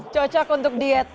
cocok untuk diet